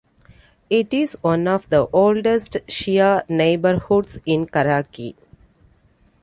It is one of the oldest Shia neighbourhoods in Karachi.